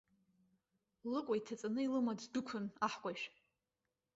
Лыкәа иҭаҵаны илыма ддәықәын аҳкәажә.